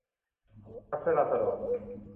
พรรคเพื่อราษฎร